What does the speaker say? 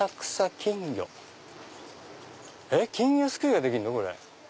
金魚すくいができるの？